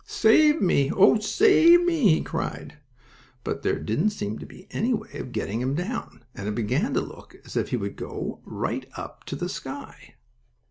"Save me! Oh, save me!" he cried, but there didn't seem to be any way of getting him down, and it began to look as if he would go right up to the sky.